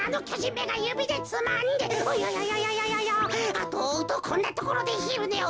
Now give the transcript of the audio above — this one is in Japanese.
あとをおうとこんなところでひるねを。